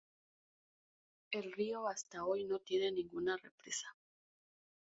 El río, hasta hoy, no tiene ninguna represa.